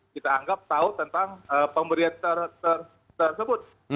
kita anggap tahu tentang pemberian tersebut